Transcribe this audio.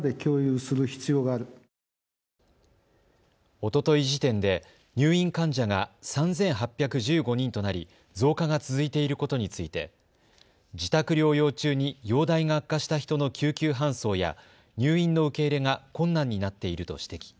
おととい時点で入院患者が３８１５人となり増加が続いていることについて自宅療養中に容体が悪化した人の救急搬送や入院の受け入れが困難になっていると指摘。